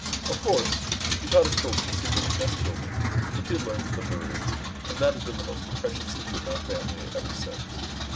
"Of course, he taught his children the secret of nest building which he had learned from the birds, and that has been the most precious secret in our family ever since.